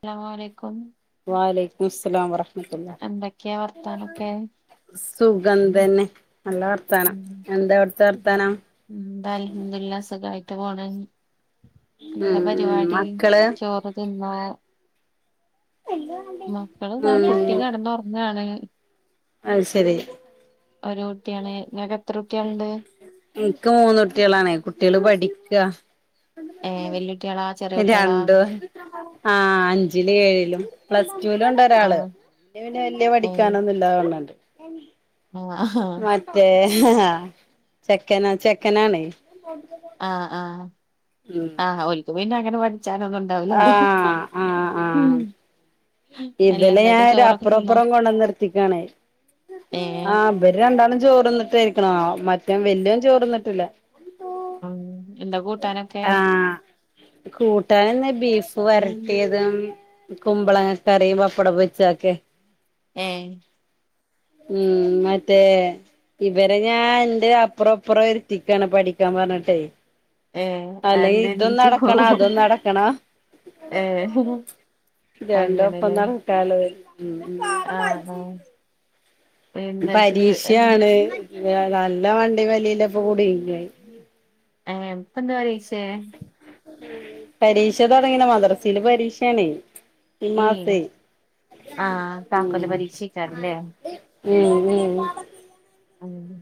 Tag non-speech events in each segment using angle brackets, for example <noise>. അസലാമുഅലൈക്കും വാ അലേക്കുമുസ്സലാം റഹ് എന്തൊക്കെയാ വർത്താനം? സുഗം തന്നെ നല്ല വർത്താനം ഉം എന്താ അവിടുത്തെ പിന്നെ വർത്താനം? എന്താ അൽഹംദുലില്ലാ സുഖമായിട്ട് പോണ്. ഉം എന്താ ഉം പരിപാടി മക്കള് ചോറ് തിന്നാ? <unintelligible> മക്കളിതാ കുട്ടി ഉം കിടന്നൊറങ്ങാണ്. അത് ശരി ഒരു കുട്ടിയാണ് നിങ്ങക്ക് എത്ര കുട്ടിയളുണ്ട്? എനിക്ക് മൂന്ന് കുട്ടികളാണ് കുട്ടികള് പഠിക്കാ. ഏഹ് വല്യ കുട്ടികളാ ചെറിയ കുട്ടികളാ രണ്ടും ആഹ് അഞ്ചിലും ഏഴിലും പ്ലസ് ടുലും ഉണ്ടൊ രാള് ആഹ് പിന്നെ പിന്നെ വല്യ പഠിക്കാനൊന്നും ഇല്ലാ <unintelligible> ആഹ് ആഹ് ഏഹ് ആഹ് ചെക്കന് ചെക്കനാണ്. ഉത ആഹ് ആഹ് ഉം ആഹ് ഓരിക്ക് പിന്നെ അങ്ങനെ പഠിച്ചാന്നുണ്ട് ആഹ് ആഹ് ആഹ് അല്ല ഇബലെ എന്നിട്ട് ഞാൻ ചോറൊക്കെ അപ്പുറം തിന്നോ അപ്പുറം കൊണ്ടന്നു നിർത്തിക്കാണ് ഏഹ് ആഹ് ഇവര് രണ്ടാളും ചോറ് തിന്നിട്ടാ ഇരിക്കണു മറ്റേ വല്ല്യോൻ ചോറിന്നിട്ടില്ല. ഉം എന്താ കൂട്ടാനൊക്കെ? ആഹ് കൂട്ടാനിന്ന് ബീഫ് വരട്ടിയതും കുമ്പളങ്ങ കറിയും പപ്പടം പൊരിച്ചതൊക്കെ. ഏഹ് ഉം മറ്റേ ഇവരെ ഞാൻ എന്റെ അപ്പുറം അപ്പുറം ഇരുത്തിക്കാണ് പഠിക്കാൻ പറഞ്ഞിട്ടേ ഏ അല്ലേ ഇതും അതെന്തേനീച്ചു നടക്കണം പോവും അതും നടക്കണം ഏ രണ്ടും ഒപ്പം അങ്ങനെല്ലേ <unintelligible> ആഹ് ആഹ് എന്നിട്ട് ഏ പരീക്ഷയാണ് നല്ല വണ്ടി വലിയിലപ്പ കൂടി ഏഹ് ഇപ്പ എന്ത് പരീക്ഷയാ? പരീക്ഷ തുടങ്ങീണ് മദ്രസയില് പരീക്ഷയാണേ. ഈ ഏ മാസേ ആഹ് താക്കോല് ഉം. പരീക്ഷയ്ക്കാരല്ലേ ഉം ഉം ആഹ്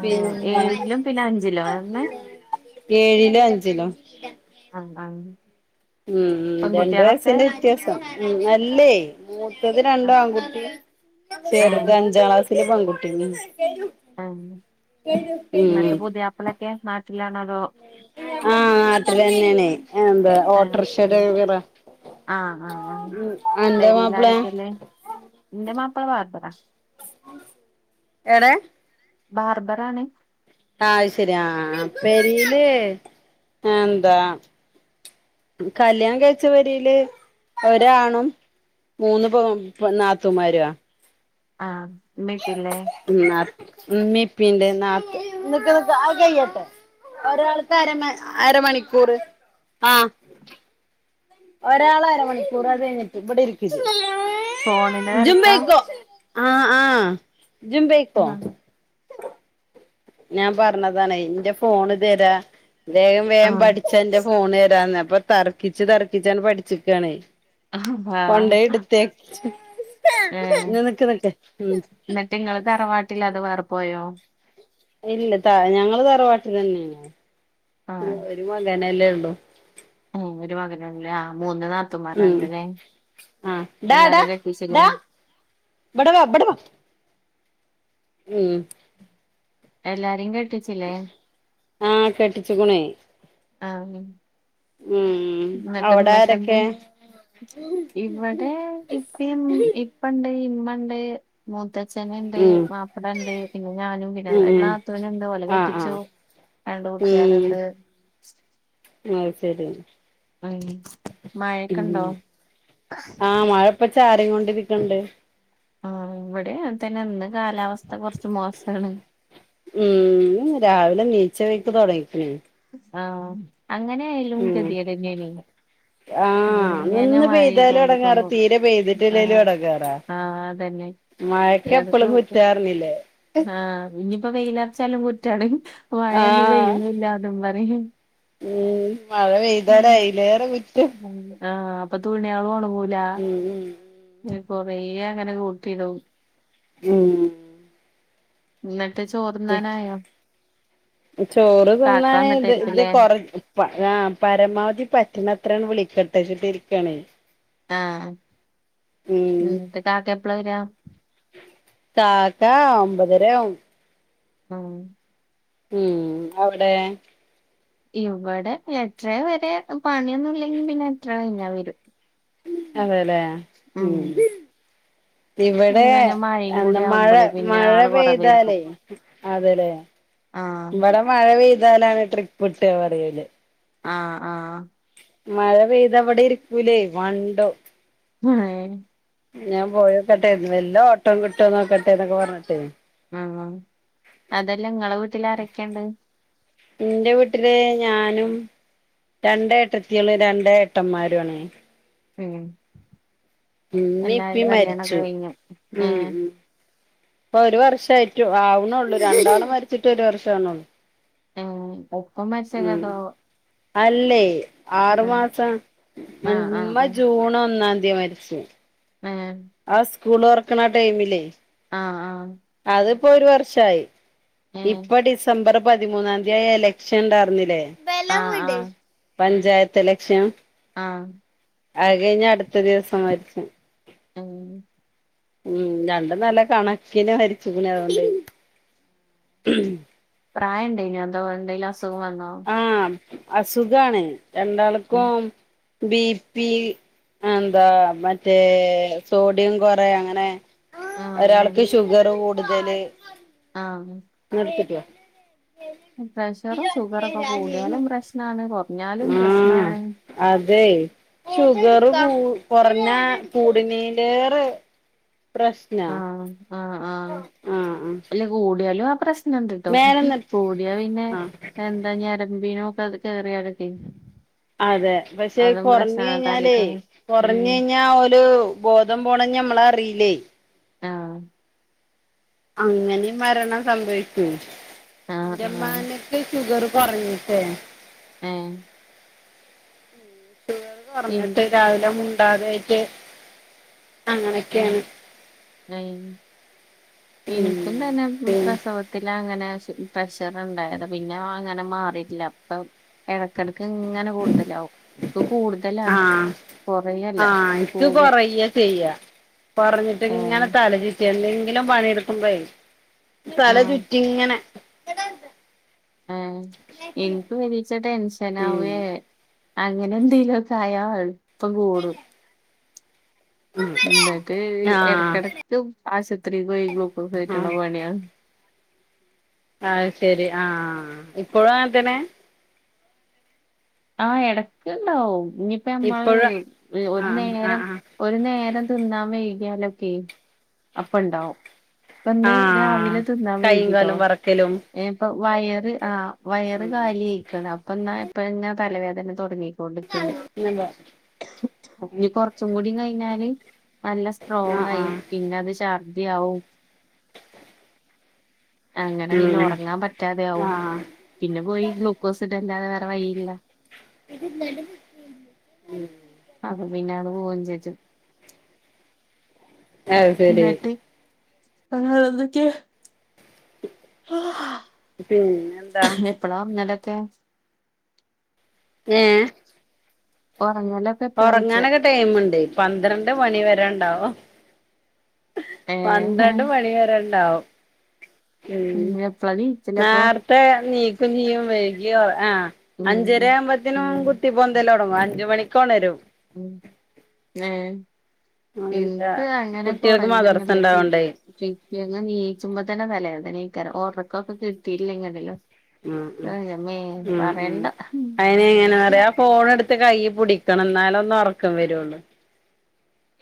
ആഹ് പിന്നെ ഏഴിലും പിന്നെ അഞ്ചിലോ പറഞ്ഞേ? ഏഴിലും അഞ്ചിലും. ആഹ് ആഹ് ഉം രണ്ട് പെൺകുട്ടികളൊക്കെ വയസിന്റെ വ്യത്യാസം ഉം അല്ലേ മൂത്തത് ആ രണ്ട് ആൺകുട്ടിയും ഏ ചെറുത് അഞ്ചാം ക്ലാസ്സില് പെൺകുട്ടിയും. ആഹ് ഉം ളൊക്കെ നാട്ടിലാണോ അതോ? ആഹ് നാട്ടില് തന്നെയണേ <unintelligible> ആഹ് ഉം ആഹ് ആഹ് ആഹ് ഉം അന്റെ പെരേൽ മാപ്പിളെ ആരൊക്കെ ഇള്ളേ? ഇന്റെ മാപ്പള ബാർബറാ. ഏടെ? ബർബറ് ആണ്. അഹ് ആത് ശരി ആഹ് പേരില് ആഹ് എന്താ. കല്യാണം കഴിച്ച പേരിൽ ഒരാണും. മൂന്ന് പവം നാത്തുമാരാ. ആഹ് <unintelligible> ന്നാ ഉമ്മീം ഇപ്പിം നാത്ത് നിക് നിക്ക് ആത് കയ്യട്ടെ. ഒരാൾത്ത് അരമ അരമണിക്കൂറ് ആഹ്. ഒരാൾ അരമണിക്കൂർ അത് കഴിഞ്ഞിട്ട് ഇവിടെ ഇരിക്ക ഫോണിന്റെ തെരക്കാ ജുപോയ്‌ക്കോ. ആഹ് ആഹ് ജുപൊയ്ക്കോ. ആഹ് ഞാൻ പറഞ്ഞതാണ് എന്റെ ഫോണ് തരാ വേഗം വേഗം ആഹ് പഠിച്ചാ എന്റെ ഫോണ് തരാ. അപ്പൊ തറക്കിച്ച് തറക്കിച്ചാണ് പഠിച്ചിക്കണേ ആഹ് വാ കോൺണ്ടയിടുത്തവേ ഏഹ് നിക്ക് നിക്കേ ഉം എന്നിട്ട് ഇങ്ങള് തറവാട്ടില്ലാതെ വേറെ പോയോ? ഇല്ല ത ഞങ്ങള് തറവാട്ടിൽ തന്നെയാണ് ആഹ് ഒരു മകനല്ലേ ഉള്ളു. ഉം ഒരു മകനല്ലേ ആഹ് മൂന്ന് ഉം നാത്തന്മാരല്ലല്ലേ ആഹ് എല്ലാരും കേട്ടിച്ചരുന്നു. ഇബടവാ ഇബ്ടവ. ഉം എല്ലാരെയും കേട്ടിച്ച് ആഹ് കെട്ടിച്ചുകണേ. ആഹ്. ഉം എന്നിട്ട് ഉമ്മക്കെ എന്തേ അവിടാരൊക്കെ. ഇവിടെ ഇപ്പം ഇപ്പണ്ട് ഇമ്മണ്ട്. മുത്തച്ഛനുണ്ട് ഉം മാപ്പട ഉണ്ട് പിന്നെ ഞാനും പിന്നെ ഉം ഉം എന്നാത്തുവിനുണ്ട് ഓല ആഹ് കെട്ടിച്ചു. ആഹ് രണ്ട് കുട്ടിയാലുണ്ട്. ആഹ് അയ്ശരി. ഉം മായൊക്കെ ഉണ്ടോ. ഇപ്പ ചാരികൊണ്ട് ഇരിക്കണ്ട്. ആഹ് ഇവിടെ അങ്ങതന്നെ ഇന്ന് കാലാവസ്ഥ കുറച്ച് മോശമാണ്. ഉം രാവിലെ നീച്ച വഴിക്ക് തുടങ്ങിക്കുന്ന. ആഹ് അങ്ങനെ ആയാലും ക ഉം തിയടനെ. ആഹ് നിന്ന് പെയ്താലും എടങ്ങാറാ മഴെയ്തോണ്ട്ക്കുമ്പോ തീരെ പെയ്തിട്ടില്ലേലും ആഹ് എടങ്ങാറാ. ആഹ് അതന്നെ മഴക്ക് ഏതൊക്കെ എപ്പഴും കുറ്റാറിഞ്ഞില്ലേ. ആഹ് ഇനിയിപ്പോ വെയിലാർച്ചാലും കുറ്റാണ് മഴയൊന്നും ആഹ് പെയ്യുന്നില്ല അതും പറയും. ഉം മഴ പെയ്താൽ അതിലേറെ കുറ്റം. ആഹ് അപ്പൊ തുണയാളും ഓണങ്ങൂല ഉം ഇപ്പം കൊറേ അങ്ങനെ കൂട്ടിടും ഉം എന്നിട്ട് ചോറ് ചോറ് കാക്ക തിന്നാണ് ഇത് ഇത് വന്നിട്ടായിരിക്കുംല്ലേ കറി ആഹ് പരമാവധി പറ്റണ അത്രാണ് വിളിച്ചിട്ടിരിക്കാണ് ആഹ് ഉം കാക്ക എപ്പളാ വരാ കാക്ക ഒമ്പതരയാവും ആഹ് ഉം അവിടെ ഇവിടെ എട്ടര വരെ പണിയൊന്നും ഇല്ലെങ്കിൽ പിന്നെ എട്ടര കഴിഞ്ഞാ വരും അതെല്ലേ ഉം ഇവിടെ അങ്ങനെ മഴയും കൂടി എന്താ മഴ ആവുമ്പോളേ പിന്നെ മഴ ആള് കുറവ് പേർക്കും പെയ്താലേ അതെല്ലേ ആഹ് ഇവിടെ മഴ പെയ്താലാണ് ട്രിപ്പ് കിട്ടുക പറല് ആഹ് ആഹ് മഴ പെയ്ത അവിടെ ഇരിക്കൂല മണ്ടും ഏഹ് ഞാൻ പോയോക്കട്ടെന്ന് വല്ല ഓട്ടം കിട്ടുമോന്നോക്കട്ടെ എന്നൊക്കെ പറഞ്ഞിട്ടേ ആഹ് അതെല്ലാം നിങ്ങളെ വീട്ടിൽ ആരൊക്കണ്ട് എൻ്റെ വീട്ടില് ഞാനും രണ്ടേ ഏട്ടത്തിള് രണ്ടേ ഏട്ടന്മാരാണ് ഉം ഇമ്മിം എല്ലാരും ഇപ്പും കല്യാണൊക്കെ മരിച്ചു കഴിഞ്ഞു ഉം ഏഹ് ഉം ഇപ്പൊ ഒരു വർഷം ആവണേള്ളൂ രണ്ടാളും മരിച്ചിട്ട് ഒരു വർഷമാ വണുള്ളൂ ആഹ് ഒപ്പം ഉം മരിച്ചതോ അല്ലേ ഉം ആറു മാസം ആഹ് ആഹ് മമ്മ ആഹ് ജൂൺ ഒന്നാം തീയതി മ ശരി ഏഹ് ആഹ് സ്കൂൾ തൊറക്കണ ടൈമിലേ ആഹ് ആഹ് അതിപ്പോ ഒരു വർഷായി ഏഹ് ഇപ്പ ഡിസംബർ പതിമൂന്നാം തീയതി എലക്ഷൻ ഉണ്ടായിരുന്നില്ലേ ആഹ് ആഹ് പഞ്ചായത്ത് ഇലക്ഷൻ ആഹ് ആത് കഴിഞ്ഞ് അടുത്ത ദിവസം മരിച്ചു ഉം ഉം രണ്ടും നല്ല കണക്കിന് വരിച്ചു പിന്നെ അതുകൊണ്ട് ഉം പ്രായം ഉണ്ടേന്യോ അതോ എന്തേലും അസുഖം വന്നോ ആഹ് അസുഖാണ് ഉം രണ്ടാൾക്കും ബി പി എന്താ മറ്റേ സോഡിയം കൊറയ അങ്ങനെ ആഹ് ആഹ് ഒരാൾക്ക് ഷുഗർ കൂടുതല് ആഹ് നടുത്തിട്ട് പ്രഷറും ഷുഗറൊക്കെ കൂടിയാലും പ്രശ്നമാണ് കുറഞ്ഞാലും ആഹ് പ്രശ്നമാണ് അതെ ഷുഗറു കുറഞ്ഞ കൂടിനീന്റെറെ പ്രശ്ന ആഹ് ആഹ് ആഹ് അല്ല കൂടിയാലും ആ പ്രശ്നം ണ്ട്ട്ടോ മേലന്ന് കൂടിയാ പിന്നെ ആഹ് എന്താ ഞരമ്പീനും ഒക്കെ അത് കേറിയാലൊക്കെ അതെ പക്ഷേ അതും കുറഞ്ഞ പ്രശ്നാണ് കഴിഞ്ഞാല് തലക്കൊക്കെ കൊറഞ്ഞ ഉം കഴിഞ്ഞാ ഒരു ബോധം പോണം നമ്മ അറിയില്ലേ ആഹ് അങ്ങനെ മരണം സംഭവിച്ചു ആഹ് ആഹ് എമാനെ ഷുഗർ കുറഞ്ഞിട്ടേ ആഹ് ഇൻ പറഞ്ഞിട്ട് രാവിലെ മുണ്ടാതൊയിട്ട് ഉ അ ഉം ഇനകന്തന്നെ പി പ്രേസവയിട്ട് ത്തി അങ്ങനെ പ്രഷർ ഉണ്ടായത് പിന്നെ അങ്ങനെ മാറില്ല ഇപ്പൊ ഇടക്കിടക്ക് ഇങ്ങനെ കൂടുതലാാവും ഇപ്പ കൂടുതലാണ് ആഹ് കൊറയല്ല കൂട് ചെയ്യ ചെയ്യ പറഞ്ഞിട്ട് ഇങ്ങനെ ഏഹ് തലചിറ്റി എന്തെങ്കിലും പണിയെടുക്കണ്ടേോ തല ആഹ് ചുറ്റിങ്ങനെ ആഹ എനിക്ക് മലച്ച ഉം ടെൻഷനാവയേ അങ്ങനെ എന്തേലോ കയാ എളുപ്പം കൂടും ഇന്നട്ട് ആഹ് എടക്കെടയക്ക് ആശുപത്രിയി ഗ്ലൂക്കോസ് കേറ്റ്ണ ആഹ് പണിയാണ്. അഹ് ശെരി ആഹ് ഇപ്പഴും അങ്ങൻതന്നെ ആഹ് എടക്ക്ണ്ടാവും ഇനിയിപ്പ നമ്മള് ഇപ്പോഴ് ഒരു ആഹ് നേരം ആഹ് ആഹ് ഒരു നേരം തിന്നാൻ വൈകിയാലൊക്കെ അപ്പ ണ്ടാവും ഇപ്പന്ന് ആഹ് രാവിലെ തിന്നാ കൈയും വൈകി ട്ടോ കാലും വറക്കലും ഏഹ് ഇപ്പം വയറ് ആഹ് വയറ് കാലി അയ്ക്ണ് അപ്പന്നാ ഇപ്പങ്ങനെ തലവേദന തൊടങ്ങി ക്കോണ്ട്ക്ക്ണ്ട്. ആഹ് ഇഞ്ഞ് കൊർച്ചും കൂടിം കഴിഞ്ഞാല് നല്ല സ്ട്രോങായി ആഹ് പിന്നെ അത് ശർദി ആവും അങ്ങനെ പിന്നെ ഉം ഉറങ്ങാൻ പറ്റാതെയാവും. ആഹ് പിന്നെ പോയി ഗ്ലൂക്കോസ് ഇടല്ലാതെ വേറെ വഴിയില്ല. <unintelligible> അപ്പപിന്നെ അത് പോവും ചെജ്ജും ആഹ് ശരി അഹാ എന്തൊക്കെ പിന്നെ ന്താ എപ്പളാ ഒർങ്ങലൊക്കെ? ഏഹ്? ഒറങ്ങലെ ഒർങ്ങാനൊക്കെ ടൈമ്ണ്ട് പന്ത്രണ്ട് മണി വരെണ്ടാവും ഏഹ് പന്ത്രണ്ട് മണി വരെണ്ടാവും ഉം എപ്പളാ നീച്ചലപ്പൊ നാർത്തെ നീക്കും ചിയ്യും വഴ്കിയ ആഹ് ഉം അഞ്ചര ആവുമ്പത്തിനും ഉം കുത്തി പൊന്തല് തൊടങ്ങും അഞ്ച് മണിക്കോണരും. ഏഹ് എന്താ ഇൻക്ക് അങ്ങനെ കുട്ടികൾക്ക് കൊറങ്ങ ഞാൻ മദർസ പർഞ്ഞിലേ ച്ച് ഉണ്ടാവണ്ടേ പിറ്റേന്ന് നീച്ചുമ്പത്തന്നെ തലവേദനേക്കാരം. ഒറക്കൊക്കെ കിട്ടിയില്ലെങ്കിണ്ടല്ലോ ഉം ഉ ഏ ന്റമ്മേ ഉം ഉം പറയണ്ട അയിനെ ഇങ്ങനെ പറയാ ഫോണ് ട്ത്ത് കയ്യി പിടിക്കണം ഇന്നാലൊന്ന് ഒറക്കം വരൊള്ളൂ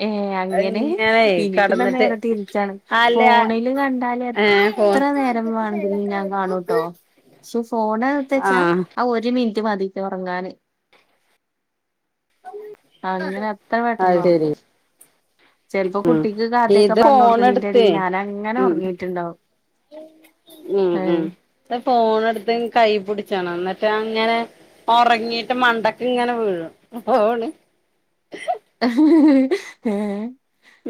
ഏഹ് അങ്ങനെ ഇങ്ങനെ എനിക്കിന്നാ കടന്നിട്ട് നേരെ തിരിച്ചാണ്. ഫോണില് കണ്ടാല് എ ഏഹ് ഫോ ത്ര നേരം വേണെങ്കിലും ഞാൻ കാണൂട്ടോ ശ് ഫോണ് ഇട്ത്തെച്ചാ ആഹ് ആ ഒരു മിനിറ്റ് മതി ച്ചൊറങ്ങാന്. അത അങ്ങനെ അത്ര പെട്ടെന്ന് ഒർങ്ങും. ചെൽപ്പം ഉം കുട്ടിക്ക് കഥ്യയൊക്കെ ഇത് ഫോൺ പർഞ്ഞൊട്ക്ക്ണീന്റെ എടുത്തേ ഇടയിൽ ഞാൻ അങ്ങനെ ഉം ഒർങ്ങീട്ടുണ്ടാവും. ഉം ഉം. ത്ത് ഫോണ് ഇട്ത്ത് കൈയ് പിടിച്ചണം ന്നട്ട് അങ്ങനെ ഒറങ്ങീട്ട് മണ്ടക്ക്ങ്ങനെ വീഴും ഫോണ് <unintelligible>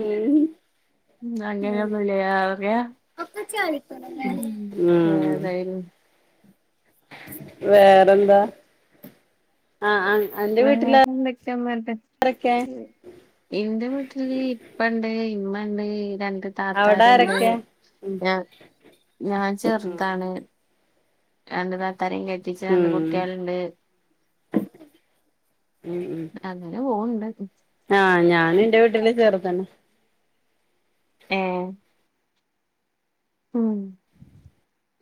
ഉം അങ്ങനെയൊന്നുല്ലേ പറയാ ഉം <unintelligible> ഏതായാലും വേറെന്താ ആഹ് ആണ് വേറെന്തൊക്കെ ന്നട്ട്. ആരൊക്കെ ഇന്റെ വീട്ട്ല് ഇപ്പ ണ്ട് ഇമ്മ ണ്ട് രണ്ട് അവിടെ താത്താര് ണ്ട്. ആരൊക്കെ ഞ ഞാൻ ചെറ്താണ് രണ്ട് താത്താരിം കെട്ടിച്ച് രണ്ട് ഉം കുട്ട്യേള്ണ്ട് <inaudible> ഉം ഉം അങ്ങനെ പോവ്ണ്ട് ആഹ് ഞാനും ന്റെ വീട്ടില് ചെറ്താണ് ഏഹ്. ഉം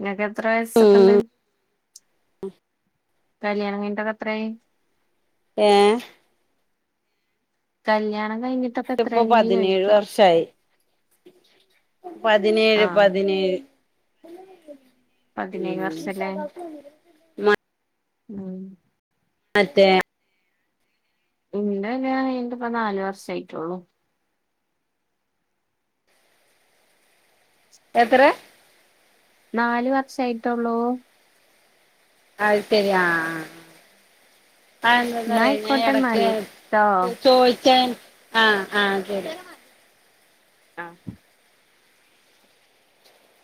ങ്ങക്ക് എത്ര വയസ്സൊക്കെണ്ട് ആഹ് കല്യാണം കഴിഞ്ട്ടൊക്കെ എത്രായി. ഏഹ് കല്യാണം കഴിഞ്ഞിട്ടും ട്ട്പ്പോ പതിനേഴ് വർഷായി പതിനേഴ് ആഹ് പതിനേഴ് പതിനേഴ് ഉം വർഷല്ലേ ഉം മറ്റേ ഇന്റെ കല്യാണം കയ്ഞ്ഞിട്ട്പ്പ നാല് വർഷം ആയിട്ടോള്ളൂ എത്ര? നാല് വർഷായിട്ടോള്ളൂ അത് ശരി ആഹ് ആഹ് ആഹ് അത് ന്നാ എന്താന്നറിയോ ഞാൻ ആയിക്കോട്ടെ എടക്ക് എന്നാല് ട്ടോ ചോയ്ക്കാൻ ആഹ് ആഹ് <unintelligible> ആഹ്